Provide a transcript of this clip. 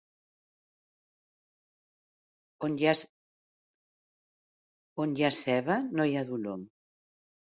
On hi ha ceba no hi ha dolor.